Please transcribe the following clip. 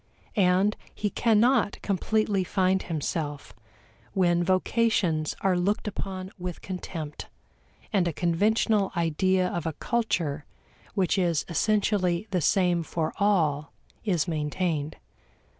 And he cannot completely find himself when vocations are looked upon with contempt, and a conventional ideal of a culture which is essentially the same for all is maintained.